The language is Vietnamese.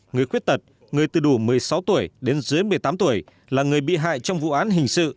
người khuyết tật người từ đủ một mươi sáu tuổi đến dưới một mươi tám tuổi là người bị hại trong vụ án hình sự